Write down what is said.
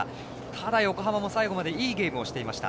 ただ、最後までいいゲームをしていました。